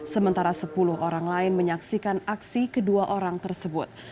sementara sepuluh orang lain menyaksikan aksi kedua orang tersebut